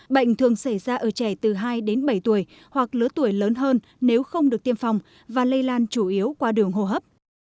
bệnh thường xảy ra ở trẻ từ hai đến bảy tuổi hoặc lứa tuổi lớn hơn nếu không được tiêm phòng và lây lan chủ yếu qua đường hô hấp